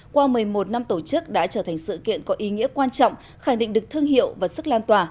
qua một mươi một năm tổ chức đã trở thành sự kiện có ý nghĩa quan trọng khẳng định được thương hiệu và sức lan tỏa